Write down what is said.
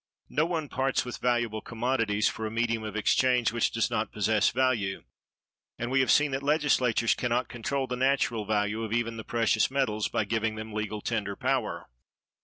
No one parts with valuable commodities for a medium of exchange which does not possess value; and we have seen that Legislatures can not control the natural value of even the precious metals by giving them legal tender power.